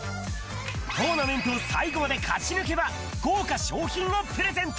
トーナメントを最後まで勝ち抜けば、豪華賞品をプレゼント。